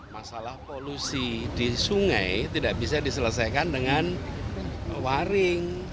masalah polusi di sungai tidak bisa diselesaikan dengan waring